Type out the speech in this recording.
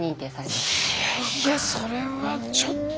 いやいやそれはちょっと。